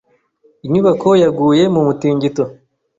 Inyubako yaguye mu mutingito.